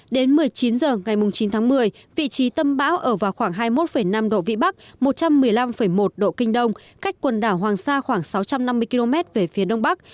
đến một mươi chín h ngày chín tháng một mươi vị trí tâm bão ở vào khoảng hai mươi một năm độ vĩ bắc một trăm một mươi năm một độ kinh đông cách quần đảo hoàng sa khoảng sáu trăm năm mươi km về phía đông bắc